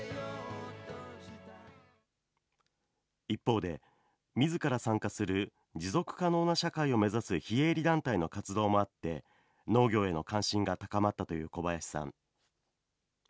一方で、みずから参加する、持続可能な社会を目指す非営利団体の活動もあって、農業への関心が高まったという小林さん。